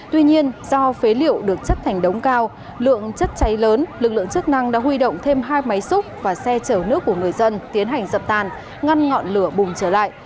tuy nhiên do phế liệu được chất thành đống cao lượng chất cháy lớn lực lượng chức năng đã huy động thêm hai máy xúc và xe chở nước của người dân tiến hành dập tàn ngăn ngọn lửa bùng trở lại